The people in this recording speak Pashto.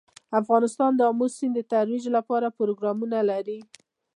افغانستان د آمو سیند د ترویج لپاره پروګرامونه لري.